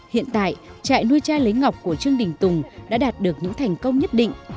hiện tại trại nuôi chai lấy ngọc của trương đình tùng đã đạt được những thành công nhất định